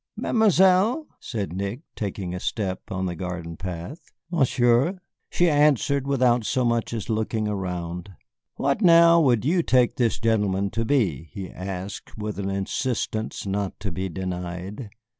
"Mademoiselle?" said Nick, taking a step on the garden path. "Monsieur?" she answered, without so much as looking around. "What, now, would you take this gentleman to be?" he asked with an insistence not to be denied.